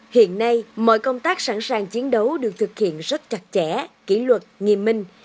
hiện nay mọi công tác sẵn sàng chiến đấu được thực hiện rất chặt chẽ kỷ luật nghiêm minh